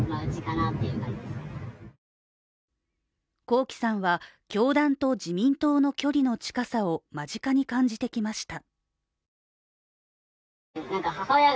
光樹さんは教団と自民党の距離の近さを間近に感じてきました。